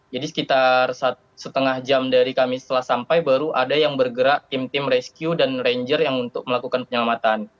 jadi sekitar setengah jam dari kami setelah sampai baru ada yang bergerak tim tim rescue dan ranger yang untuk melakukan penyelamatan